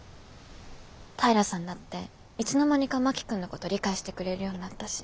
平さんだっていつの間にか真木君のこと理解してくれるようになったし